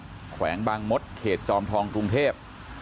จุดเกิดเหตุที่จอมรถเขตจอมทองกรุงเทพฯ